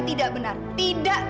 tidak benar pak